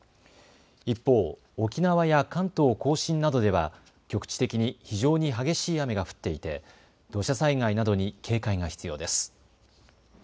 一方、沖縄や関東甲信などでは局地的に非常に激しい雨が降っていて土砂災害などに警戒が必要です。